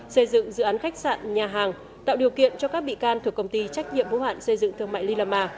xây dựng dự án khách sạn nhà hàng tạo điều kiện cho các bị can thuộc công ty trách nhiệm bố hạn xây dựng thương mại dilama